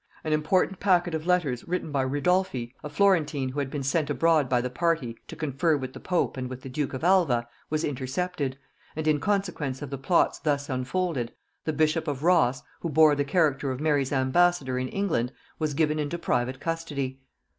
An important packet of letters written by Ridolfi, a Florentine who had been sent abroad by the party to confer with the pope and with the duke of Alva, was intercepted; and in consequence of the plots thus unfolded, the bishop of Ross, who bore the character of Mary's ambassador in England, was given into private custody.